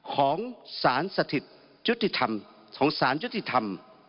ของสารสถิตยุติธรรมของสารยุติธรรม